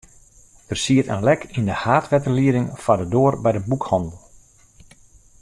Der siet in lek yn de haadwetterlieding foar de doar by de boekhannel.